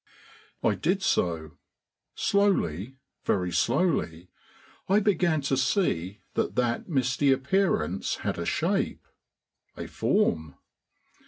I did so. Slowly, very slowly, I began to see that that misty appearance had a shape, a form.